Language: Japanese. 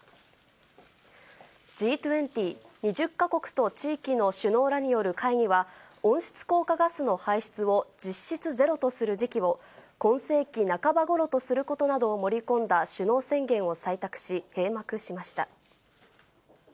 Ｇ２０・２０か国と地域の首脳らによる会議は、温室効果ガスの排出を実質ゼロとする時期を、今世紀半ばごろとすることなどを盛り込んだ首脳宣言を採択し、閉幕しました。